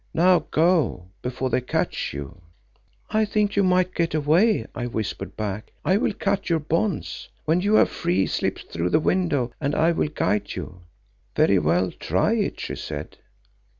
Now go, before they catch you.' "'I think you might get away,' I whispered back. 'I will cut your bonds. When you are free, slip through the window and I will guide you.' "'Very well, try it,' she said.